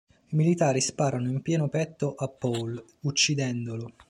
I militari sparano in pieno petto a Paul, uccidendolo.